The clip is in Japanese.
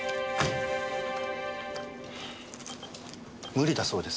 無理だそうです。